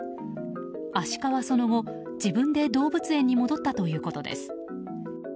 アシカは、その後、自分で動物園に戻ったということです。